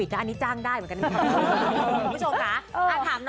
คนของต่างนะครับ